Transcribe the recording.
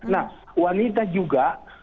nah wanita juga